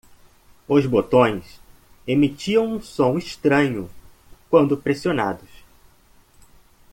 Os botões emitiam um som estranho quando pressionados.